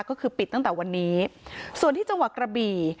ก็คือปิดตั้งแต่วันนี้ส่วนที่จังหวัดกระบี่